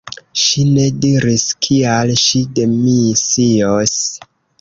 Ŝi ne diris kial ŝi demisios.